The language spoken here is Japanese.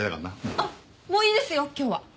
あっもういいですよ今日は。